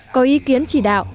có ý kiến chỉ đạo